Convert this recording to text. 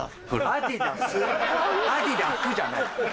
アディダフじゃないよ